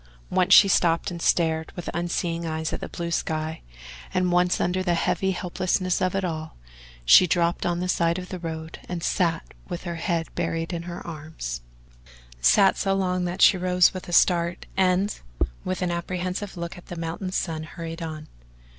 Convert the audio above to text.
Once she stopped and stared with unseeing eyes at the blue sky, and once under the heavy helplessness of it all she dropped on the side of the road and sat with her head buried in her arms sat so long that she rose with a start and, with an apprehensive look at the mounting sun, hurried on.